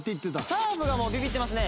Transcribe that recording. サーブがビビってますね。